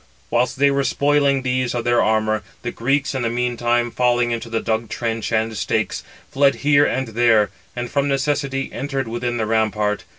Whilst they were spoiling these of their armour, the Greeks in the meantime falling into the dug trench and stakes, fled here and there; and from necessity entered within the rampart.